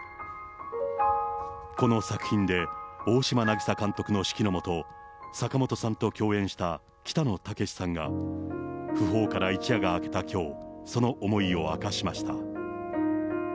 この作品で大島渚監督の指揮の下、坂本さんと共演した北野武さんが、訃報から一夜が明けたきょう、その思いを明かしました。